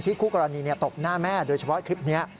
คู่กรณีตบหน้าแม่โดยเฉพาะคลิปนี้